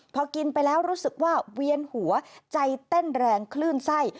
พอกินไปแล้วรู้สึกว่าเวียนหัวใจเต้นแรงคลื่นไส้